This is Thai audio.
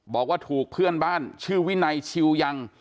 บอกว่าถูกเพื่อนบ้านชื่อวินัยชิวยัง